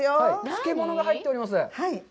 漬物が入っております。